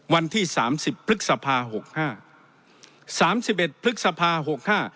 วันที่สามสิบพฤษภาหกห้าสามสิบเอ็ดพฤษภาหกห้า